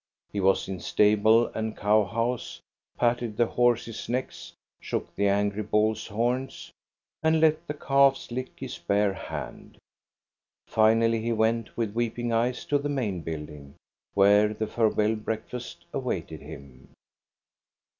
He was in stable and cow house, patted the horses' necks, shook the angry bull's horns, and let the calves lick his bare hand. Finally he went with weeping eyes to the main building, where the farewell breakfast awaited him.